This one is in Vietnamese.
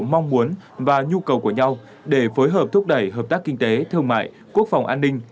mong muốn và nhu cầu của nhau để phối hợp thúc đẩy hợp tác kinh tế thương mại quốc phòng an ninh